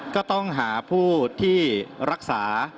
ก็ต้องหาผู้ที่รักษา